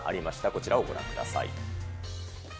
こちらをご覧ください。